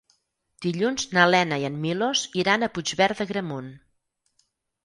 Dilluns na Lena i en Milos iran a Puigverd d'Agramunt.